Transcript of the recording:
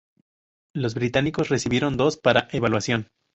Los británicos recibieron dos para evaluación.